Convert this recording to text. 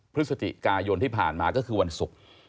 พฤศจิกายนที่ผ่านมาก็คือวันศุกร์